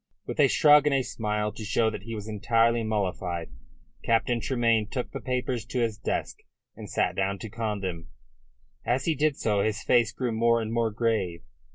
With a shrug and a smile to show that he was entirely mollified, Captain Tremayne took the papers to his desk and sat down to con them. As he did so his face grew more and more grave.